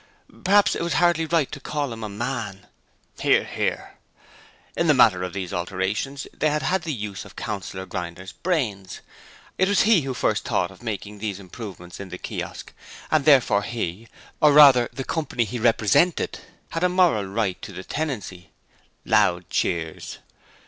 Perhaps it was hardly right to call him a man. (Hear! Hear!) In the matter of these alterations they had had the use of Councillor Grinder's brains: it was he who first thought of making these improvements in the Kiosk, and therefore he or rather the company he represented had a moral right to the tenancy. (Loud cheers.)